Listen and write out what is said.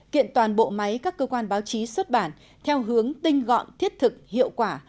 kiện toàn bộ máy các cơ quan báo chí xuất bản theo hướng tinh gọn thiết thực hiệu quả